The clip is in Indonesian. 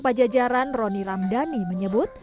pajajaran roni ramdhani menyebut